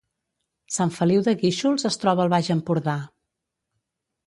Sant Feliu de Guíxols es troba al Baix Empordà